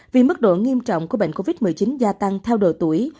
vì mức độ nghiêm trọng của bệnh covid một mươi chín gia tăng theo độ tuổi